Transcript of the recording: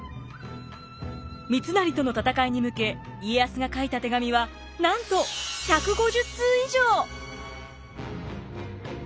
三成との戦いに向け家康が書いた手紙はなんと１５０通以上！